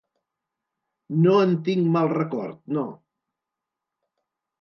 No en tinc mal record, no.